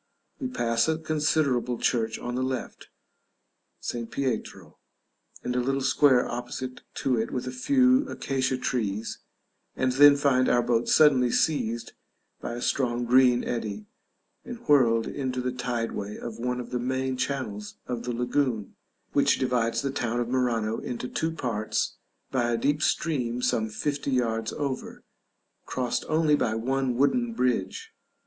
We pass a considerable church on the left, St. Pietro, and a little square opposite to it with a few acacia trees, and then find our boat suddenly seized by a strong green eddy, and whirled into the tide way of one of the main channels of the lagoon, which divides the town of Murano into two parts by a deep stream some fifty yards over, crossed only by one wooden bridge.